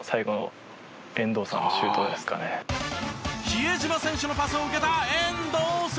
比江島選手のパスを受けた遠藤選手。